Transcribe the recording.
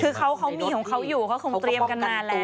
คือเขามีของเขาอยู่เขาคงเตรียมกันมาแล้ว